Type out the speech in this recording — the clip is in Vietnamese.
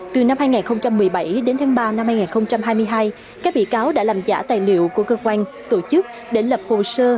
từ năm hai nghìn một mươi bảy đến tháng ba năm hai nghìn hai mươi hai các bị cáo đã làm giả tài liệu của cơ quan tổ chức để lập hồ sơ